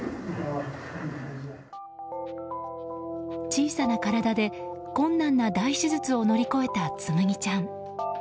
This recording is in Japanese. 小さな体で、困難な大手術を乗り越えた紬ちゃん。